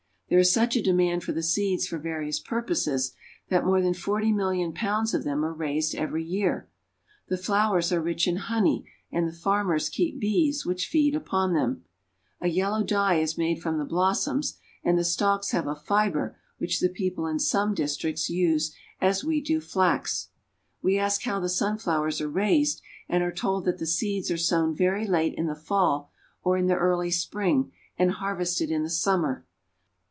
There is such a demand for the seeds for various purposes, that more than forty million pounds of them are raised every year. The flowers are rich in honey, and the farmers keep bees, which feed upon them. A yellow dye is made from the blossoms, and the stalks have a fiber which the people in some districts use as we do flax. We ask how the sunflowers are raised, and are told that the seeds are sown very late in the fall or in the early spring, and harvested in the summer.